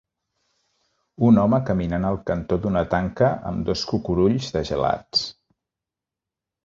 Un home caminant al cantó d'una tanca amb dos cucurulls de gelats